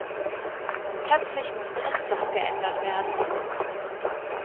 Und plötzlich musste es doch geändert werden.